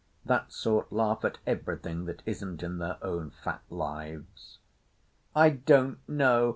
That sort laugh at everything that isn't in their own fat lives." "I don't know.